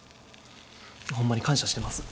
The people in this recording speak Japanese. ホンマに感謝してます。